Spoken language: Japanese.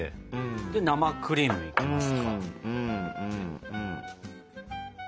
で生クリームいきますか。